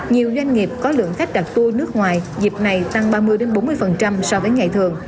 nhiều doanh nghiệp có lượng khách đặt tour nước ngoài dịp này tăng ba mươi bốn mươi so với ngày thường